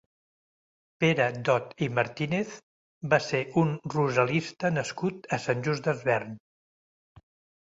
Pere Dot i Martínez va ser un rosalista nascut a Sant Just Desvern.